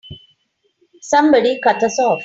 Somebody cut us off!